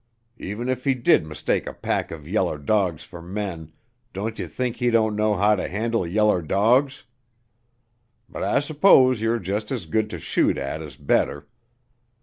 Even if he did mistake a pack of yaller dogs fer men, don't ye think he doesn't know how to handle yaller dogs. But I s'pose ye are jus' as good to shoot at as better.